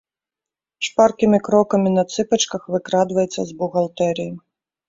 Шпаркімі крокамі на цыпачках выкрадваецца з бухгалтэрыі.